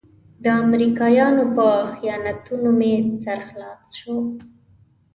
د امريکايانو په خیانتونو مې سر خلاص شو.